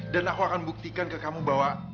dan aku akan buktikan ke kamu bahwa